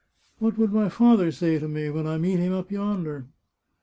What would my father say to me when I meet him up yonder?"